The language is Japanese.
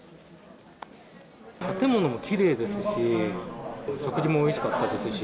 建物もきれいですし、食事もおいしかったですし。